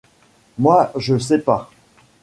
Moi je sais pas.